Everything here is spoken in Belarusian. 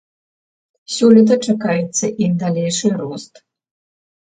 Сёлета чакаецца іх далейшы рост.